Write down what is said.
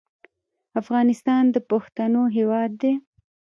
افغانستان د پښتنو هېواد دی.